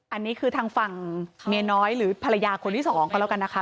อันนี้คือทางฝั่งเมียน้อยหรือภรรยาคนที่สองก็แล้วกันนะคะ